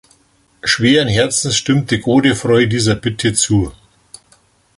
Schweren Herzens stimmt Godefroy dieser Bitte zu.